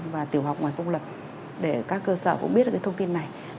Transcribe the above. và tiểu học ngoài công lập để các cơ sở cũng biết được cái thông tin này